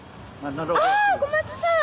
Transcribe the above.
あ小松さん！